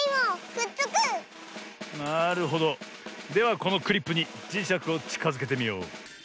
このクリップにじしゃくをちかづけてみよう。